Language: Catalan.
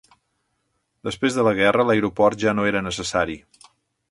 Després de la guerra, l'aeroport ja no era necessari.